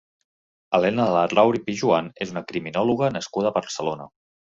Elena Larrauri Pijoan és una criminòloga nascuda a Barcelona.